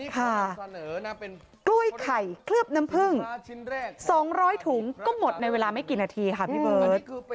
ค่ะกล้วยไข่เคลือบน้ำผึ้ง๒๐๐ถุงก็หมดในเวลาไม่กี่นาทีค่ะพี่เบิร์ต